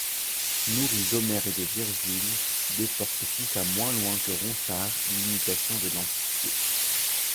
Nourri d'Homère et de Virgile, Desportes poussa moins loin que Ronsard l'imitation de l'Antiquité.